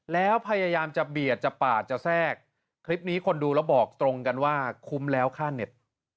แล้วพยายามจะเบียดจะปาดจะแทรกคลิปนี้คนดูแล้วบอกตรงกันว่าคุ้มแล้วค่าเน็ต